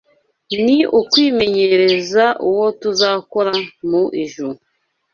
ni ukwimenyereza uwo tuzakora mu ijuru